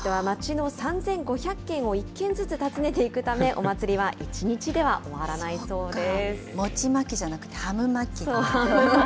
人々は町の３５００軒を１軒ずつ訪ねていくため、お祭りは１日では終わらないそうです。